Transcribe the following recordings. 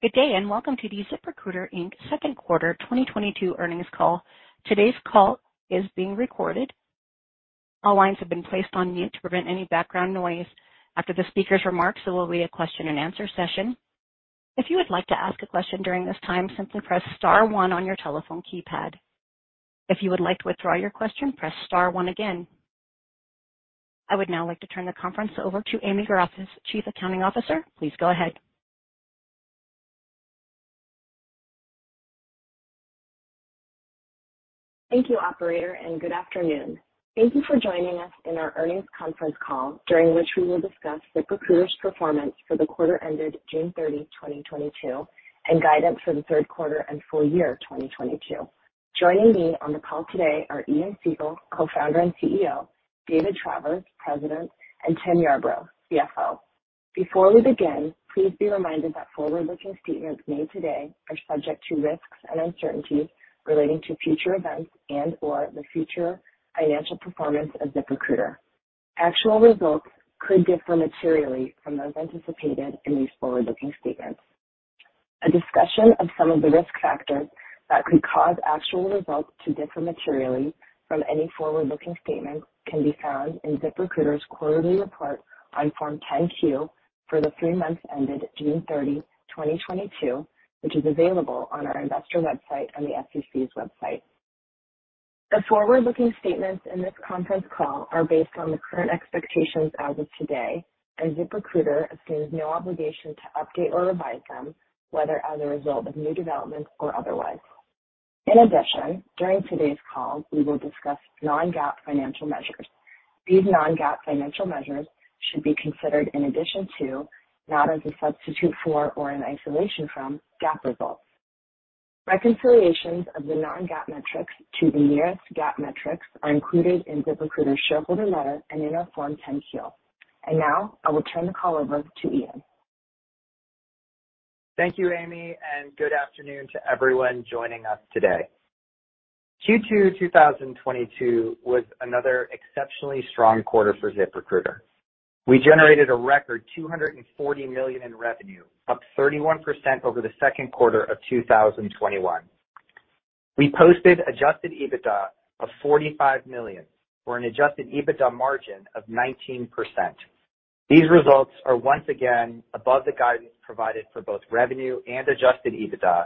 Good day, and welcome to the ZipRecruiter, Inc. Q2 2022 earnings call. Today's call is being recorded. All lines have been placed on mute to prevent any background noise. After the speaker's remarks, there will be a question-and-answer session. If you would like to ask a question during this time, simply press star one on your telephone keypad. If you would like to withdraw your question, press star one again. I would now like to turn the conference over to Amy Garefis, Chief Accounting Officer. Please go ahead. Thank you, operator, and good afternoon. Thank you for joining us in our earnings conference call, during which we will discuss ZipRecruiter's performance for the quarter ended June 30, 2022, and guidance for the Q3 and full year 2022. Joining me on the call today are Ian Siegel, Co-founder and CEO, David Travers, President, and Timothy Yarbrough, CFO. Before we begin, please be reminded that forward-looking statements made today are subject to risks and uncertainties relating to future events and/or the future financial performance of ZipRecruiter. Actual results could differ materially from those anticipated in these forward-looking statements. A discussion of some of the risk factors that could cause actual results to differ materially from any forward-looking statements can be found in ZipRecruiter's quarterly report on Form 10-Q for the three months ended June 30, 2022, which is available on our investor website and the SEC's website. The forward-looking statements in this conference call are based on the current expectations as of today, and ZipRecruiter assumes no obligation to update or revise them, whether as a result of new developments or otherwise. In addition, during today's call, we will discuss non-GAAP financial measures. These non-GAAP financial measures should be considered in addition to, not as a substitute for, or in isolation from GAAP results. Reconciliations of the non-GAAP metrics to the nearest GAAP metrics are included in ZipRecruiter's shareholder letter and in our Form 10-Q. Now I will turn the call over to Ian. Thank you, Amy, and good afternoon to everyone joining us today. Q2 2022 was another exceptionally strong quarter for ZipRecruiter. We generated a record $240 million in revenue, up 31% over the Q2 of 2021. We posted Adjusted EBITDA of $45 million, for an Adjusted EBITDA margin of 19%. These results are once again above the guidance provided for both revenue and Adjusted EBITDA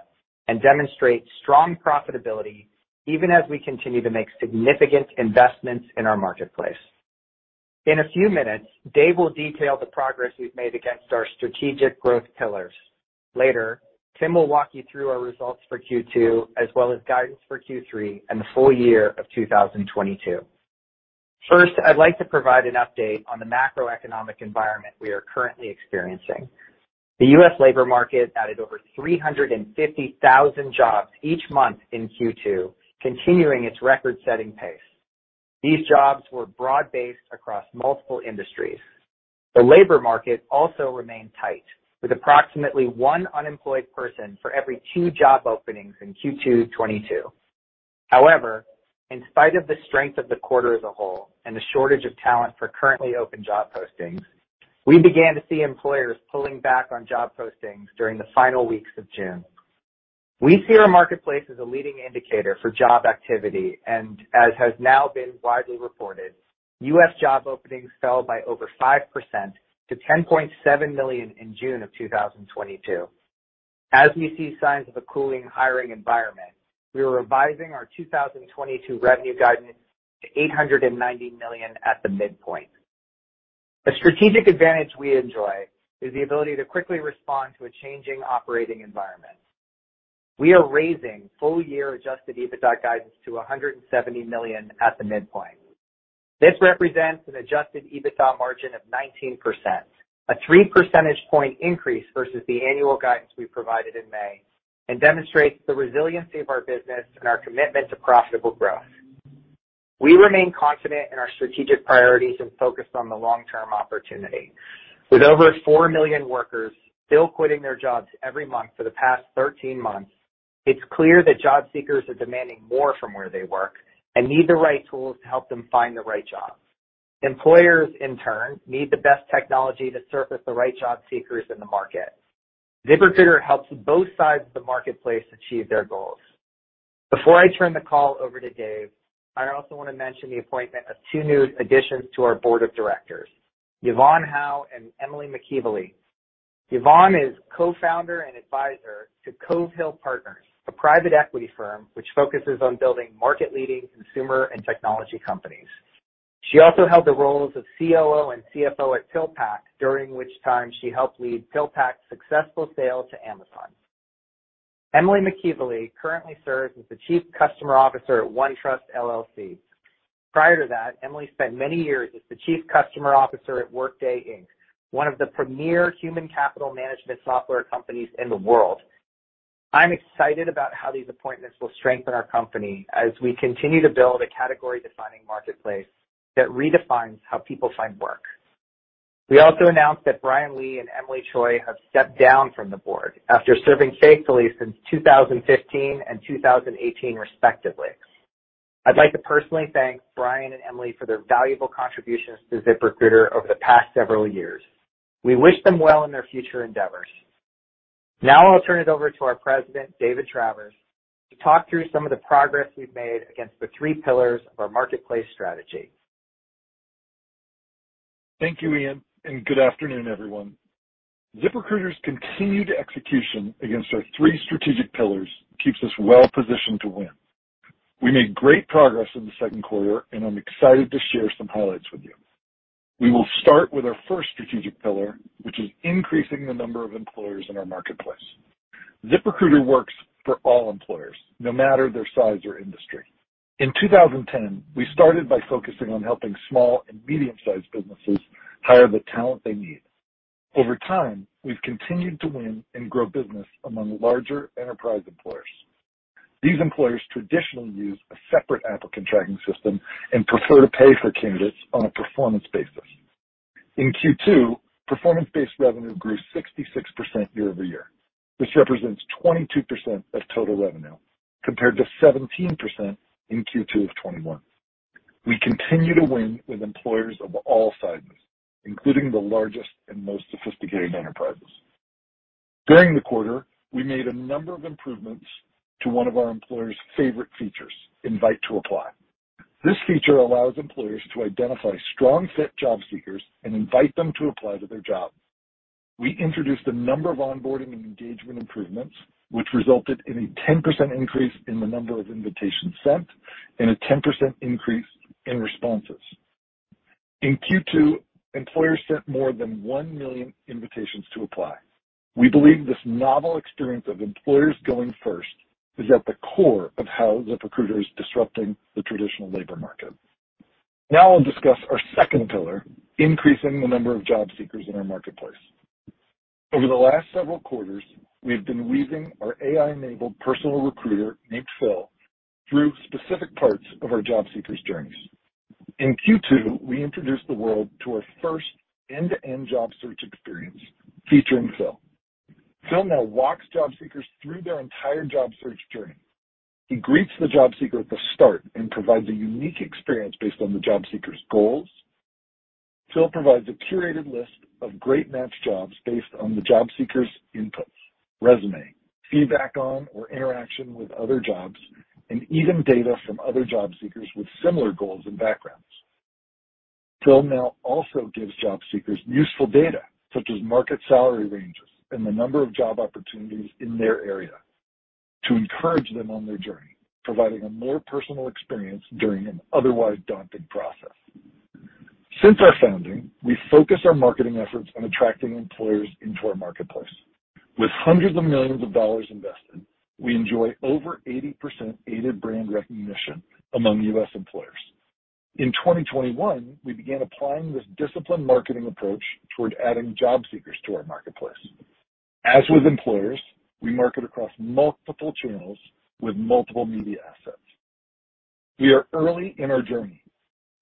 and demonstrate strong profitability even as we continue to make significant investments in our marketplace. In a few minutes, Dave will detail the progress we've made against our strategic growth pillars. Later, Tim will walk you through our results for Q2 as well as guidance for Q3 and the full year of 2022. First, I'd like to provide an update on the macroeconomic environment we are currently experiencing. The US labor market added over 350,000 jobs each month in Q2, continuing its record-setting pace. These jobs were broad-based across multiple industries. The labor market also remained tight, with approximately one unemployed person for every two job openings in Q2 2022. However, in spite of the strength of the quarter as a whole and the shortage of talent for currently open job postings, we began to see employers pulling back on job postings during the final weeks of June. We see our marketplace as a leading indicator for job activity, and as has now been widely reported, US job openings fell by over 5% to 10.7 million in June 2022. As we see signs of a cooling hiring environment, we are revising our 2022 revenue guidance to $890 million at the midpoint. A strategic advantage we enjoy is the ability to quickly respond to a changing operating environment. We are raising full year Adjusted EBITDA guidance to $170 million at the midpoint. This represents an Adjusted EBITDA margin of 19%, a three percentage point increase versus the annual guidance we provided in May, and demonstrates the resiliency of our business and our commitment to profitable growth. We remain confident in our strategic priorities and focused on the long-term opportunity. With over 4 million workers still quitting their jobs every month for the past 13 months, it's clear that job seekers are demanding more from where they work and need the right tools to help them find the right job. Employers, in turn, need the best technology to surface the right job seekers in the market. ZipRecruiter helps both sides of the marketplace achieve their goals. Before I turn the call over to Dave, I also want to mention the appointment of two new additions to our board of directors, Yvonne Hao and Emily McEvilly. Yvonne is co-founder and advisor to Cove Hill Partners, a private equity firm which focuses on building market-leading consumer and technology companies. She also held the roles of COO and CFO at PillPack, during which time she helped lead PillPack's successful sale to Amazon. Emily McEvilly currently serves as the Chief Customer Officer at OneTrust, LLC. Prior to that, Emily spent many years as the Chief Customer Officer at Workday, Inc., one of the premier human capital management software companies in the world. I'm excited about how these appointments will strengthen our company as we continue to build a category-defining marketplace that redefines how people find work. We also announced that Brian Lee and Emilie Choi have stepped down from the board after serving faithfully since 2015 and 2018, respectively. I'd like to personally thank Brian and Emily for their valuable contributions to ZipRecruiter over the past several years. We wish them well in their future endeavors. Now I'll turn it over to our president, David Travers, to talk through some of the progress we've made against the three pillars of our marketplace strategy. Thank you, Ian, and good afternoon, everyone. ZipRecruiter's continued execution against our three strategic pillars keeps us well positioned to win. We made great progress in the Q2, and I'm excited to share some highlights with you. We will start with our first strategic pillar, which is increasing the number of employers in our marketplace. ZipRecruiter works for all employers, no matter their size or industry. In 2010, we started by focusing on helping small and medium-sized businesses hire the talent they need. Over time, we've continued to win and grow business among larger enterprise employers. These employers traditionally use a separate applicant tracking system and prefer to pay for candidates on a performance basis. In Q2, performance-based revenue grew 66% year-over-year. This represents 22% of total revenue compared to 17% in Q2 of 2021. We continue to win with employers of all sizes, including the largest and most sophisticated enterprises. During the quarter, we made a number of improvements to one of our employers' favorite features, Invite to Apply. This feature allows employers to identify strong fit job seekers and invite them to apply to their job. We introduced a number of onboarding and engagement improvements, which resulted in a 10% increase in the number of invitations sent and a 10% increase in responses. In Q2, employers sent more than 1 million invitations to apply. We believe this novel experience of employers going first is at the core of how ZipRecruiter is disrupting the traditional labor market. Now I'll discuss our second pillar, increasing the number of job seekers in our marketplace. Over the last several quarters, we've been weaving our AI-enabled personal recruiter, named Phil, through specific parts of our job seekers' journeys. In Q2, we introduced the world to our first end-to-end job search experience featuring Phil. Phil now walks job seekers through their entire job search journey. He greets the job seeker at the start and provides a unique experience based on the job seeker's goals. Phil provides a curated list of great match jobs based on the job seeker's inputs, resume, feedback on or interaction with other jobs, and even data from other job seekers with similar goals and backgrounds. Phil now also gives job seekers useful data such as market salary ranges and the number of job opportunities in their area to encourage them on their journey, providing a more personal experience during an otherwise daunting process. Since our founding, we focus our marketing efforts on attracting employers into our marketplace. With hundreds of millions of dollars invested, we enjoy over 80% aided brand recognition among US employers. In 2021, we began applying this disciplined marketing approach toward adding job seekers to our marketplace. As with employers, we market across multiple channels with multiple media assets. We are early in our journey,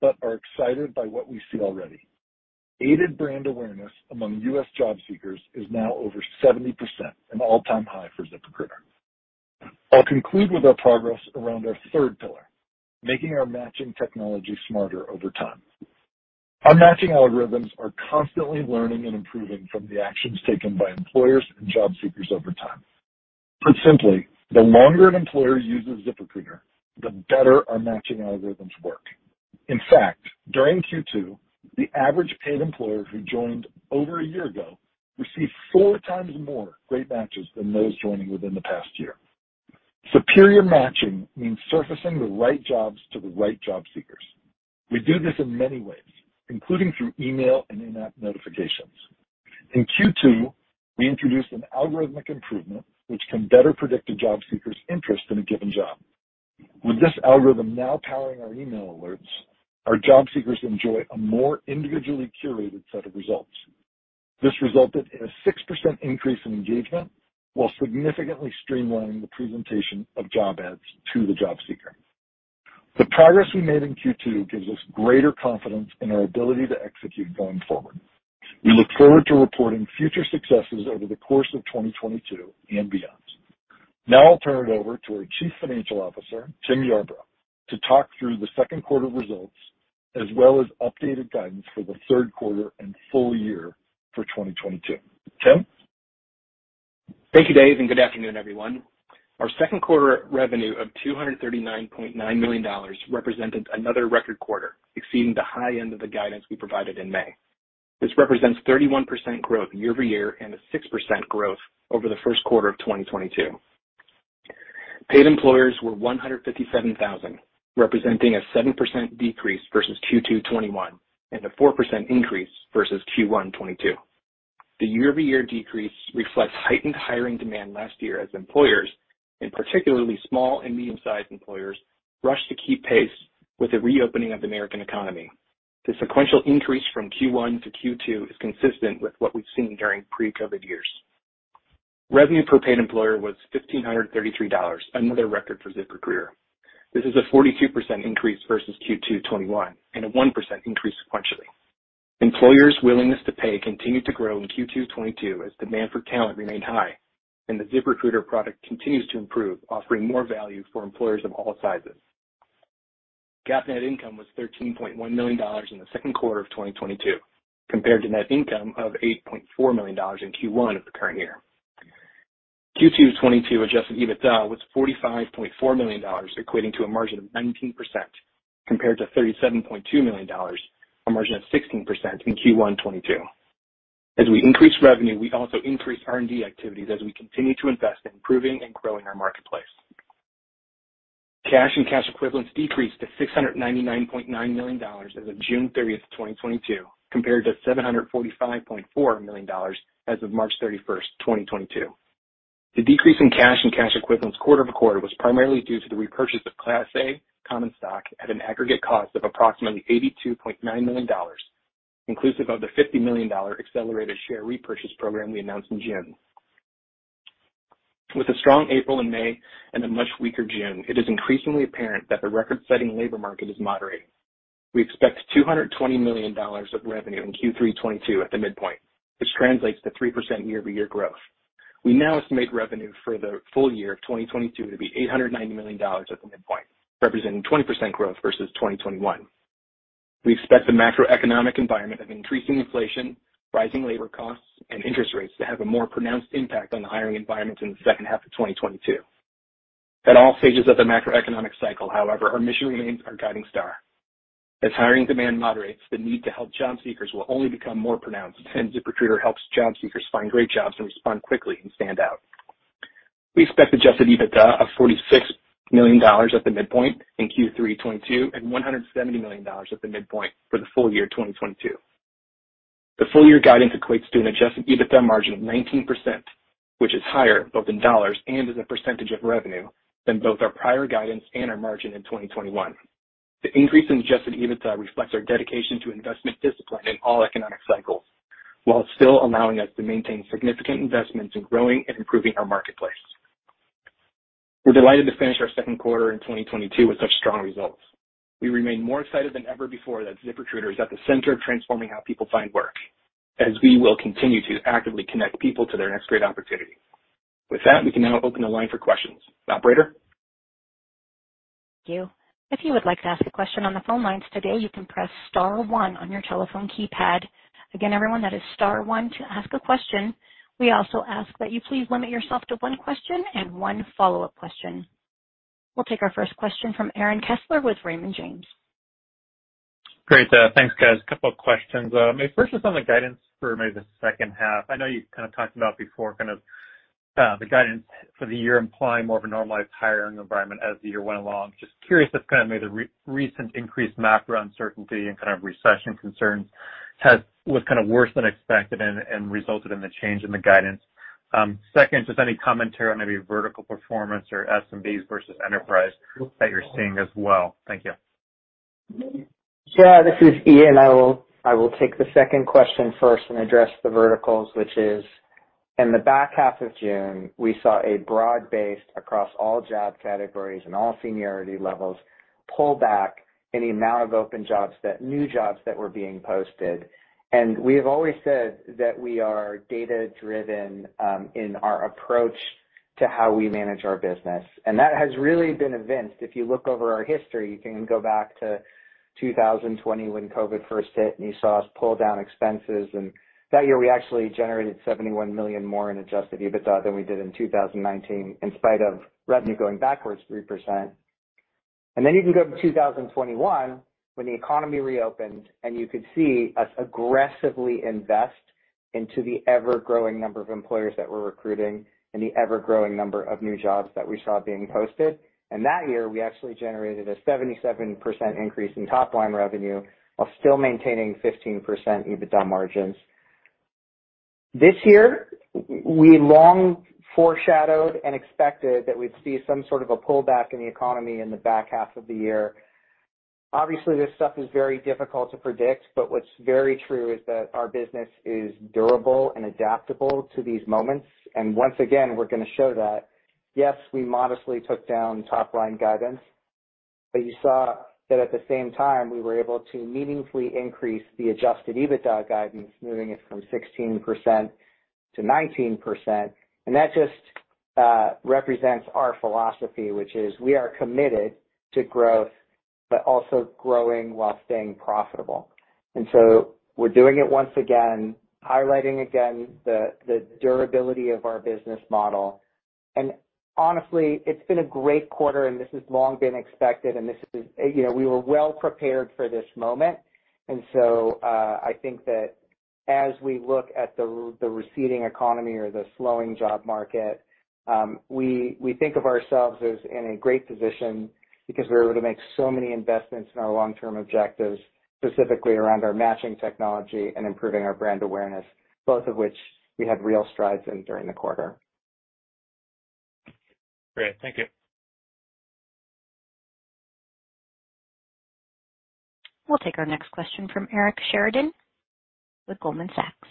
but are excited by what we see already. Aided brand awareness among US job seekers is now over 70%, an all-time high for ZipRecruiter. I'll conclude with our progress around our third pillar, making our matching technology smarter over time. Our matching algorithms are constantly learning and improving from the actions taken by employers and job seekers over time. Put simply, the longer an employer uses ZipRecruiter, the better our matching algorithms work. In fact, during Q2, the average paid employer who joined over a year ago received four times more great matches than those joining within the past year. Superior matching means surfacing the right jobs to the right job seekers. We do this in many ways, including through email and in-app notifications. In Q2, we introduced an algorithmic improvement, which can better predict a job seeker's interest in a given job. With this algorithm now powering our email alerts, our job seekers enjoy a more individually curated set of results. This resulted in a 6% increase in engagement while significantly streamlining the presentation of job ads to the job seeker. The progress we made in Q2 gives us greater confidence in our ability to execute going forward. We look forward to reporting future successes over the course of 2022 and beyond. Now I'll turn it over to our Chief Financial Officer, Timothy Yarbrough, to talk through the Q2 results as well as updated guidance for the Q3 and full year for 2022. Tim? Thank you, Dave, and good afternoon, everyone. Our Q2 revenue of $239.9 million represented another record quarter, exceeding the high end of the guidance we provided in May. This represents 31% growth year-over-year and a 6% growth over the Q1 of 2022. Paid employers were 157,000, representing a 7% decrease versus Q2 2021 and a 4% increase versus Q1 2022. The year-over-year decrease reflects heightened hiring demand last year as employers, and particularly small and medium-sized employers, rushed to keep pace with the reopening of the American economy. The sequential increase from Q1 to Q2 is consistent with what we've seen during pre-COVID years. Revenue per paid employer was $1,533, another record for ZipRecruiter. This is a 42% increase versus Q2 2021 and a 1% increase sequentially. Employers' willingness to pay continued to grow in Q2 2022 as demand for talent remained high, and the ZipRecruiter product continues to improve, offering more value for employers of all sizes. GAAP net income was $13.1 million in the Q2 of 2022, compared to net income of $8.4 million in Q1 of the current year. Q2 2022 adjusted EBITDA was $45.4 million, equating to a margin of 19%, compared to $37.2 million, a margin of 16% in Q1 2022. As we increase revenue, we also increase R&D activities as we continue to invest in improving and growing our marketplace. Cash and cash equivalents decreased to $699.9 million as of June 30, 2022, compared to $745.4 million as of March 31, 2022. The decrease in cash and cash equivalents quarter-over-quarter was primarily due to the repurchase of Class A common stock at an aggregate cost of approximately $82.9 million, inclusive of the $50 million accelerated share repurchase program we announced in June. With a strong April and May and a much weaker June, it is increasingly apparent that the record-setting labor market is moderating. We expect $220 million of revenue in Q3 2022 at the midpoint, which translates to 3% year-over-year growth. We now estimate revenue for the full year of 2022 to be $890 million at the midpoint, representing 20% growth versus 2021. We expect the macroeconomic environment of increasing inflation, rising labor costs, and interest rates to have a more pronounced impact on the hiring environment in the H2 of 2022. At all stages of the macroeconomic cycle, however, our mission remains our guiding star. As hiring demand moderates, the need to help job seekers will only become more pronounced, and ZipRecruiter helps job seekers find great jobs and respond quickly and stand out. We expect Adjusted EBITDA of $46 million at the midpoint in Q3 2022 and $170 million at the midpoint for the full year 2022. The full year guidance equates to an Adjusted EBITDA margin of 19%, which is higher both in dollars and as a percentage of revenue than both our prior guidance and our margin in 2021. The increase in Adjusted EBITDA reflects our dedication to investment discipline in all economic cycles, while still allowing us to maintain significant investments in growing and improving our marketplace. We're delighted to finish our Q2 in 2022 with such strong results. We remain more excited than ever before that ZipRecruiter is at the center of transforming how people find work, as we will continue to actively connect people to their next great opportunity. With that, we can now open the line for questions. Operator? Thank you. If you would like to ask a question on the phone lines today, you can press star one on your telephone keypad. Again, everyone, that is star one to ask a question. We also ask that you please limit yourself to one question and one follow-up question. We'll take our first question from Aaron Kessler with Raymond James. Great. Thanks, guys. A couple of questions. Maybe first just on the guidance for maybe the H1. I know you kind of talked about before kind of the guidance for the year implying more of a normalized hiring environment as the year went along. Just curious if kind of maybe recent increased macro uncertainty and kind of recession concerns was kind of worse than expected and resulted in the change in the guidance. Second, just any commentary on maybe vertical performance or SMBs versus enterprise that you're seeing as well. Thank you. Sure. This is Ian. I will take the second question first and address the verticals, which is in the back half of June, we saw a broad-based across all job categories and all seniority levels pull back any amount of open jobs that new jobs that were being posted. We have always said that we are data-driven in our approach to how we manage our business. That has really been evinced. If you look over our history, you can go back to 2020 when COVID first hit, and you saw us pull down expenses. That year we actually generated $71 million more in adjusted EBITDA than we did in 2019, in spite of revenue going backwards 3%. Then you can go to 2021 when the economy reopened, and you could see us aggressively invest into the ever-growing number of employers that were recruiting and the ever-growing number of new jobs that we saw being posted. That year, we actually generated a 77% increase in top-line revenue while still maintaining 15% EBITDA margins. This year, we long foreshadowed and expected that we'd see some sort of a pullback in the economy in the back half of the year. Obviously, this stuff is very difficult to predict, but what's very true is that our business is durable and adaptable to these moments. Once again, we're gonna show that, yes, we modestly took down top-line guidance, but you saw that at the same time, we were able to meaningfully increase the Adjusted EBITDA guidance, moving it from 16% to 19%. That just represents our philosophy, which is we are committed to growth, but also growing while staying profitable. We're doing it once again, highlighting again the durability of our business model. Honestly, it's been a great quarter, and this has long been expected, and this is, you know, we were well prepared for this moment. I think that as we look at the receding economy or the slowing job market, we think of ourselves as in a great position because we're able to make so many investments in our long-term objectives, specifically around our matching technology and improving our brand awareness, both of which we had real strides in during the quarter. Great. Thank you. We'll take our next question from Eric Sheridan with Goldman Sachs.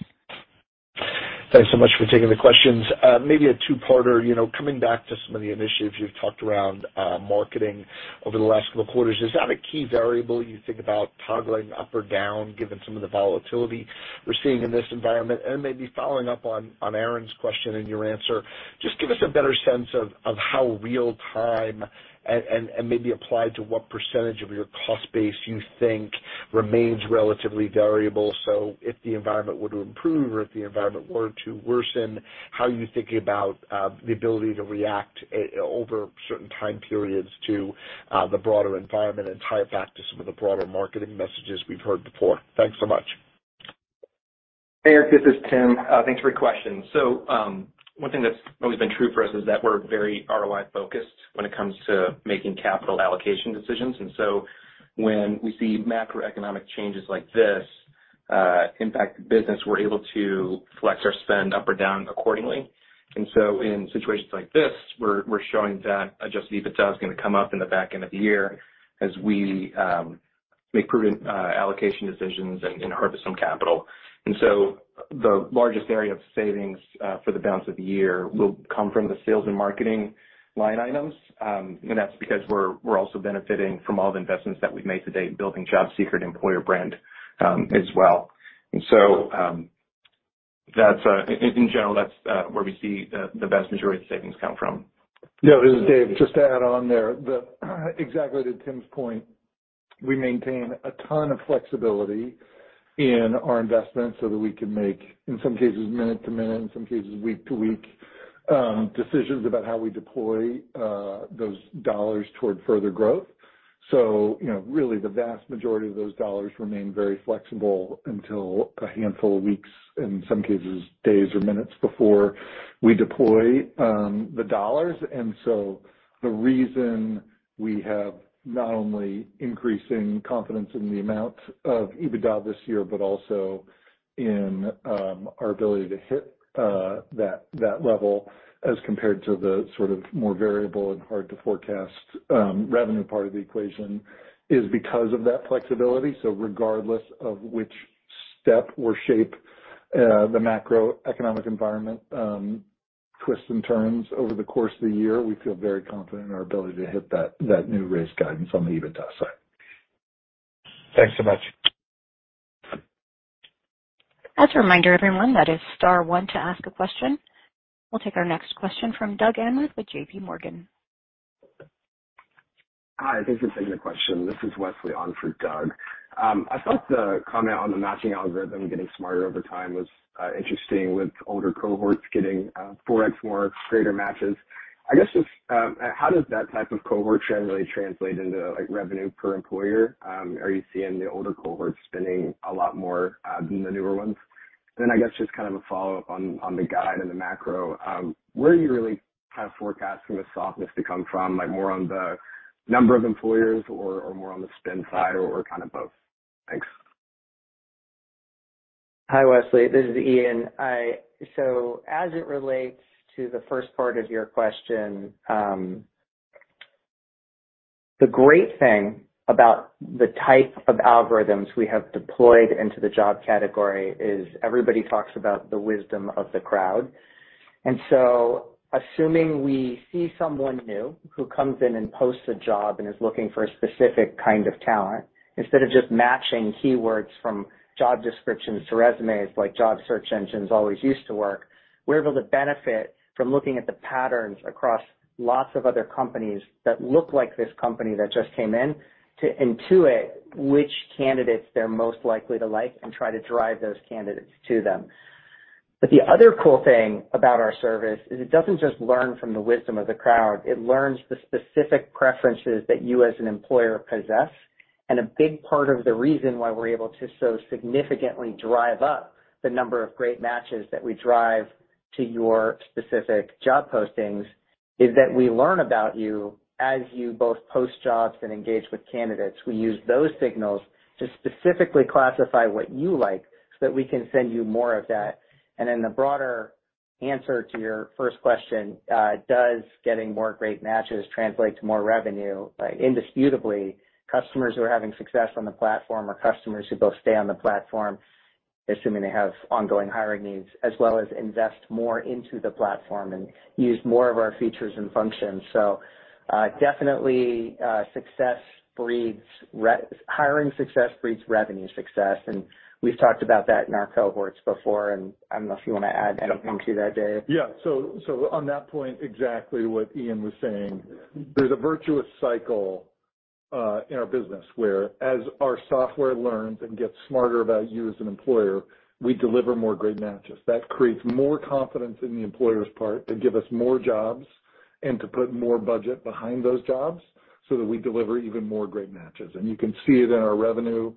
Thanks so much for taking the questions. Maybe a two-parter, you know, coming back to some of the initiatives you've talked around, marketing over the last couple of quarters. Is that a key variable you think about toggling up or down given some of the volatility we're seeing in this environment? Maybe following up on Aaron's question and your answer, just give us a better sense of how real time and maybe apply it to what percentage of your cost base you think remains relatively variable. If the environment were to improve or if the environment were to worsen, how are you thinking about the ability to react over certain time periods to the broader environment and tie it back to some of the broader marketing messages we've heard before? Thanks so much. Hey, Eric, this is Tim. Thanks for your question. One thing that's always been true for us is that we're very ROI-focused when it comes to making capital allocation decisions. When we see macroeconomic changes like this impact the business, we're able to flex our spend up or down accordingly. In situations like this, we're showing that Adjusted EBITDA is gonna come up in the back end of the year as we make prudent allocation decisions and harvest some capital. The largest area of savings for the balance of the year will come from the sales and marketing line items. That's because we're also benefiting from all the investments that we've made to date in building job seeker and employer brand as well. In general that's where we see the vast majority of the savings come from. Yeah, this is David. Just to add on there that exactly to Tim's point, we maintain a ton of flexibility in our investments so that we can make, in some cases, minute to minute, in some cases, week to week, decisions about how we deploy those dollars toward further growth. So, you know, really the vast majority of those dollars remain very flexible until a handful of weeks, in some cases, days or minutes before we deploy the dollars. The reason we have not only increasing confidence in the amount of EBITDA this year, but also in our ability to hit that level as compared to the sort of more variable and hard to forecast revenue part of the equation is because of that flexibility. Regardless of which step or shape the macroeconomic environment twists and turns over the course of the year, we feel very confident in our ability to hit that new raised guidance on the EBITDA side. Thanks so much. As a reminder, everyone, that is star one to ask a question. We'll take our next question from Doug Anmuth with JPMorgan. Hi, thanks for taking the question. This is Wesley on for Doug. I thought the comment on the matching algorithm getting smarter over time was interesting with older cohorts getting 4x more greater matches. I guess just how does that type of cohort generally translate into, like, revenue per employer? Are you seeing the older cohorts spending a lot more than the newer ones? I guess just kind of a follow-up on the guide and the macro. Where are you really kind of forecasting the softness to come from? Like more on the number of employers or more on the spend side, or kind of both? Thanks. Hi, Wesley. This is Ian. As it relates to the first part of your question, the great thing about the type of algorithms we have deployed into the job category is everybody talks about the wisdom of the crowd. Assuming we see someone new who comes in and posts a job and is looking for a specific kind of talent, instead of just matching keywords from job descriptions to resumes, like job search engines always used to work, we're able to benefit from looking at the patterns across lots of other companies that look like this company that just came in to intuit which candidates they're most likely to like and try to drive those candidates to them. The other cool thing about our service is it doesn't just learn from the wisdom of the crowd, it learns the specific preferences that you as an employer possess. A big part of the reason why we're able to so significantly drive up the number of great matches that we drive to your specific job postings is that we learn about you as you both post jobs and engage with candidates. We use those signals to specifically classify what you like so that we can send you more of that. Then the broader answer to your first question, does getting more great matches translate to more revenue? Indisputably, customers who are having success on the platform are customers who both stay on the platform, assuming they have ongoing hiring needs, as well as invest more into the platform and use more of our features and functions. Definitely, success breeds hiring success breeds revenue success, and we've talked about that in our cohorts before, and I don't know if you wanna add anything to that, Dave. On that point, exactly what Ian was saying, there's a virtuous cycle in our business where as our software learns and gets smarter about you as an employer, we deliver more great matches. That creates more confidence in the employer's part to give us more jobs and to put more budget behind those jobs so that we deliver even more great matches. You can see it in our revenue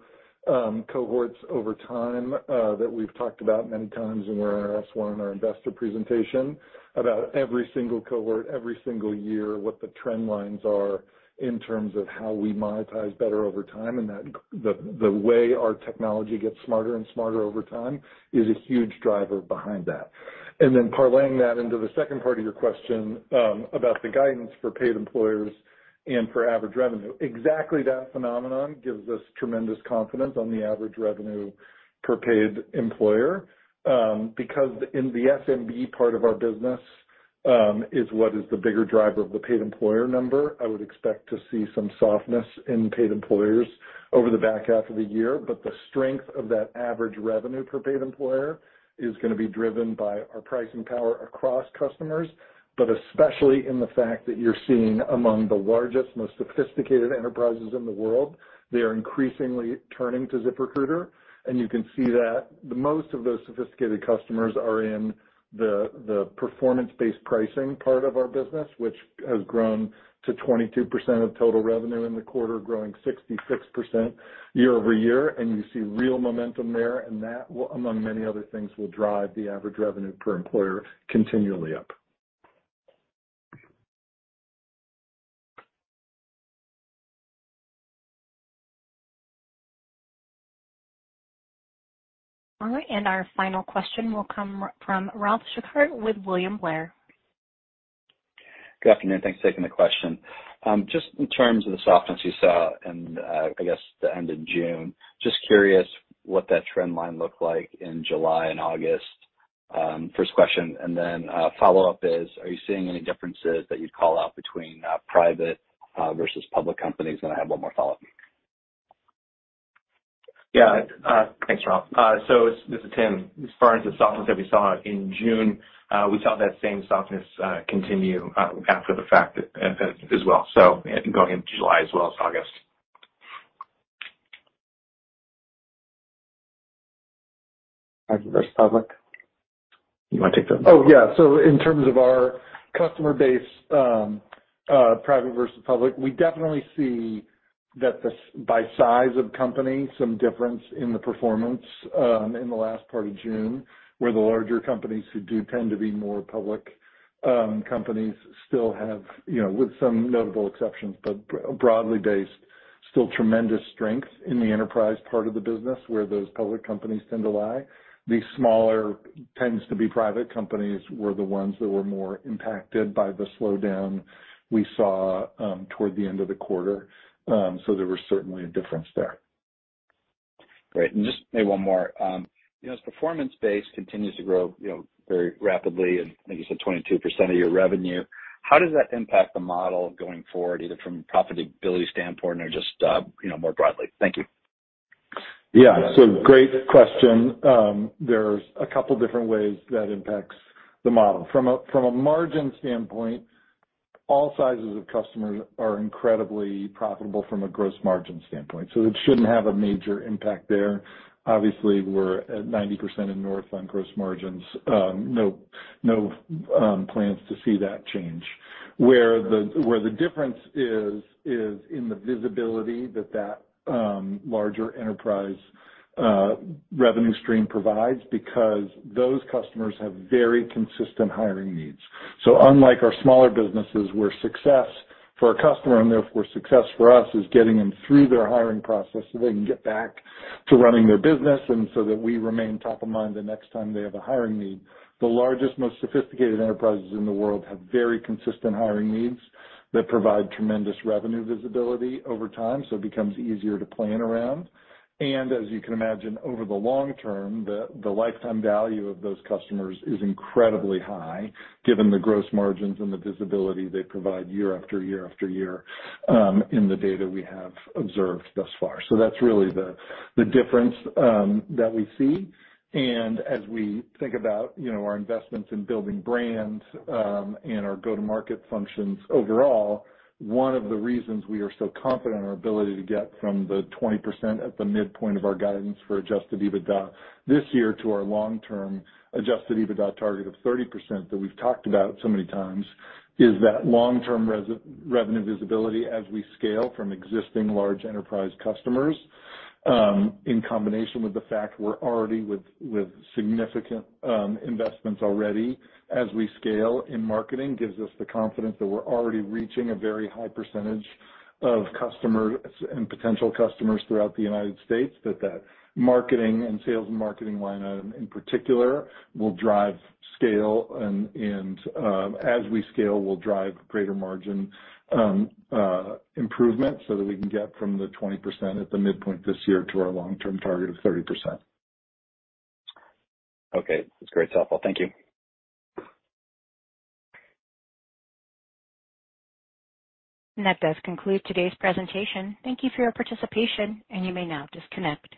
cohorts over time that we've talked about many times in our S-1 and our investor presentation about every single cohort, every single year, what the trend lines are in terms of how we monetize better over time, and that the way our technology gets smarter and smarter over time is a huge driver behind that. Parlaying that into the second part of your question, about the guidance for paid employers and for average revenue. Exactly that phenomenon gives us tremendous confidence on the average revenue per paid employer. Because in the SMB part of our business is what is the bigger driver of the paid employer number. I would expect to see some softness in paid employers over the back half of the year, but the strength of that average revenue per paid employer is gonna be driven by our pricing power across customers. Especially in the fact that you're seeing among the largest, most sophisticated enterprises in the world, they are increasingly turning to ZipRecruiter, and you can see that the most of those sophisticated customers are in the performance-based pricing part of our business, which has grown to 22% of total revenue in the quarter, growing 66% year-over-year. You see real momentum there, and that will, among many other things, drive the average revenue per employer continually up. All right. Our final question will come from Ralph Schackart with William Blair. Good afternoon. Thanks for taking the question. Just in terms of the softness you saw in, I guess, the end of June, just curious what that trend line looked like in July and August, first question? Follow-up is, are you seeing any differences that you'd call out between private versus public companies? I have one more follow-up. Thanks, Ralph. This is Tim. As far as the softness that we saw in June, we saw that same softness continue after that as well, so going into July as well as August. Private versus public. You wanna take that? Oh, yeah. In terms of our customer base, private versus public, we definitely see that by size of company, some difference in the performance, in the last part of June, where the larger companies who do tend to be more public, companies still have, you know, with some notable exceptions, but broadly based, still tremendous strength in the enterprise part of the business where those public companies tend to lie. The smaller tends to be private companies were the ones that were more impacted by the slowdown we saw, toward the end of the quarter. There was certainly a difference there. Great. Just maybe one more. You know, as performance-based continues to grow, you know, very rapidly, and I think you said 22% of your revenue, how does that impact the model going forward, either from a profitability standpoint or just, you know, more broadly? Thank you. Yeah. Great question. There's a couple different ways that impacts the model. From a margin standpoint, all sizes of customers are incredibly profitable from a gross margin standpoint, so it shouldn't have a major impact there. Obviously, we're at 90% and north on gross margins. No plans to see that change. Where the difference is in the visibility that larger enterprise revenue stream provides because those customers have very consistent hiring needs. Unlike our smaller businesses, where success for a customer and therefore success for us is getting them through their hiring process so they can get back to running their business and so that we remain top of mind the next time they have a hiring need. The largest, most sophisticated enterprises in the world have very consistent hiring needs that provide tremendous revenue visibility over time, so it becomes easier to plan around. As you can imagine, over the long term, the lifetime value of those customers is incredibly high, given the gross margins and the visibility they provide year after year after year, in the data we have observed thus far. That's really the difference that we see. As we think about, you know, our investments in building brands, and our go-to-market functions overall, one of the reasons we are so confident in our ability to get from the 20% at the midpoint of our guidance for Adjusted EBITDA this year to our long-term Adjusted EBITDA target of 30% that we've talked about so many times is that long-term revenue visibility as we scale from existing large enterprise customers, in combination with the fact we're already with significant investments already as we scale in marketing gives us the confidence that we're already reaching a very high percentage of customers and potential customers throughout the United States. That marketing and sales line item in particular will drive scale and, as we scale, will drive greater margin improvement so that we can get from the 20% at the midpoint this year to our long-term target of 30%. Okay. That's great, Tim. Thank you. That does conclude today's presentation. Thank you for your participation, and you may now disconnect.